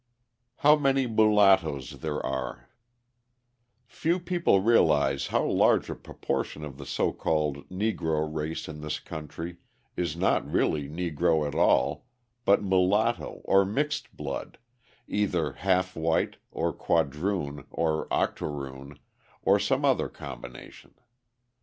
How Many Mulattoes There Are Few people realise how large a proportion of the so called Negro race in this country is not really Negro at all, but mulatto or mixed blood, either half white, or quadroon, or octoroon, or some other combination.